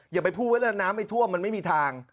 อย่าไปพูดว่าน้ำไม่ท่วมมันไม่มีทาง